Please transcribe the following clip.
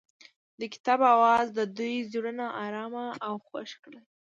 د کتاب اواز د دوی زړونه ارامه او خوښ کړل.